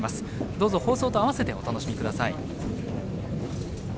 どうぞ放送と併せてお楽しみください。